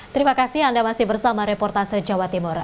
terima kasih anda masih bersama reportase jawa timur